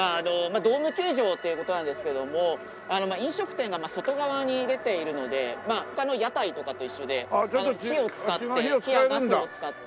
ドーム球場っていう事なんですけども飲食店が外側に出ているので他の屋台とかと一緒で火を使って火やガスを使って。